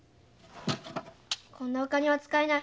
こんなお金は使えない。